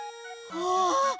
ああ！